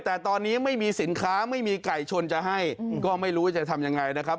แต่ตอนนี้ไม่มีสินค้าไม่มีไก่ชนจะให้ก็ไม่รู้ว่าจะทำยังไงนะครับ